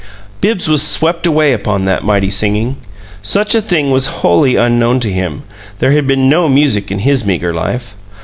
Bibbs was swept away upon that mighty singing. Such a thing was wholly unknown to him; there had been no music in his meager life.